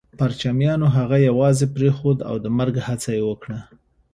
پرچمیانو هغه يوازې پرېښود او د مرګ هڅه يې وکړه